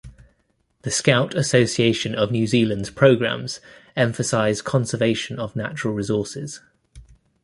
The Scout Association of New Zealand's programs emphasise conservation of natural resources.